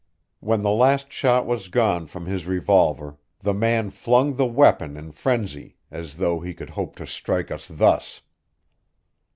When the last shot was gone from his revolver the man flung the weapon in frenzy, as though he could hope to strike us thus.